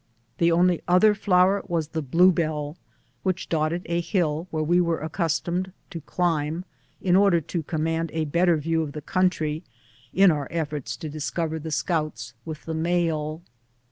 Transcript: The only other flower was tlie blue bell, which dotted a hill where we were ac customed to climb in order to command a better view of the country in our efforts to discover the scouts with the mail.